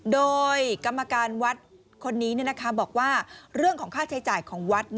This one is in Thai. โดยกรรมการวัดคนนี้บอกว่าเรื่องของค่าใช้จ่ายของวัด